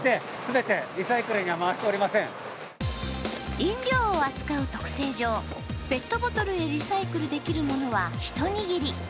飲料を扱う特性上、ペットボトルへリサイクルできるものは一握り。